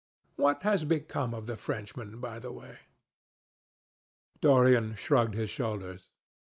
What has become of the Frenchman, by the bye?" Dorian shrugged his shoulders.